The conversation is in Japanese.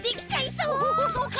そうか！